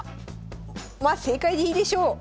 まあ正解でいいでしょう。